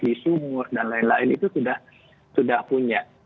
di sumur dan lain lain itu sudah punya